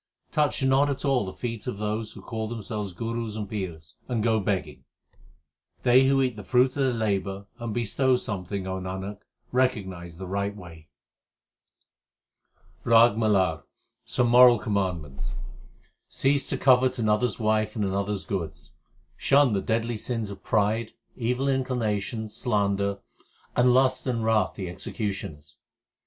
Touch not at all the feet of those Who call themselves gurus and pirs, and go begging. They who eat the fruit of their labour and bestow some thing, Nanak, recognize the right way. RAG MALAR Some moral commandments : Cease to covet another s wife and another s goods ; shun the deadly sins of pride, Evil inclinations, slander, and lust and wrath the execu tioners.